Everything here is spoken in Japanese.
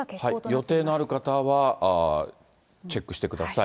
予定のある方はチェックしてください。